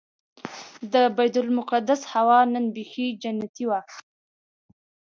د بیت المقدس هوا نن بيخي جنتي وه.